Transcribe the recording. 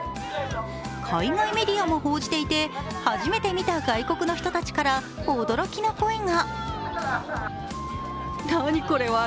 海外メディアも報じていて初めて見た外国の人たちから驚きの声が。